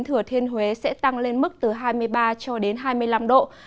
thừa thiên huế sẽ tăng lên mức từ hai mươi ba cho đến hai mươi năm độ